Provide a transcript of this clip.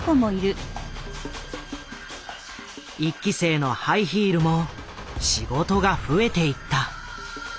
１期生のハイヒールも仕事が増えていった。